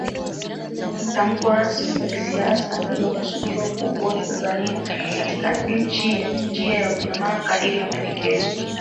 tamko rasmi la kisiasa lilikosudiwa kuongoza Tanzania katika njia ya ujamaa kadiri ya maelekezo